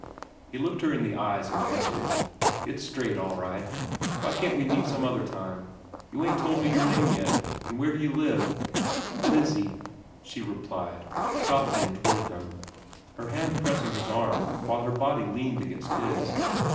He looked her in the eyes and answered: "It's straight, all right. But why can't we meet some other time? You ain't told me your name yet. An' where d'ye live?" "Lizzie," she replied, softening toward him, her hand pressing his arm, while her body leaned against his.